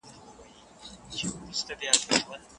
کارخانې څنګه د تولید معیارونه پلي کوي؟